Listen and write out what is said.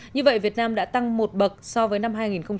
như vậy việt nam đã tăng một bậc so với năm hai nghìn một mươi